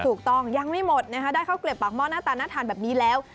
ยังไม่หมดนะคะได้ข้าวเกลียบปากหม้อหน้าตาน่าทานแบบนี้แล้ว